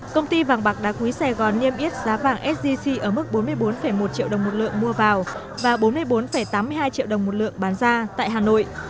công ty vàng bạc đá quý sài gòn niêm yết giá vàng sgc ở mức bốn mươi bốn một triệu đồng một lượng mua vào và bốn mươi bốn tám mươi hai triệu đồng một lượng bán ra tại hà nội